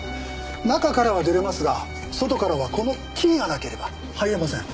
中からは出れますが外からはこのキーがなければ入れません。